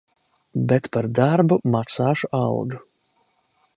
Bet par darbu maksāšu algu.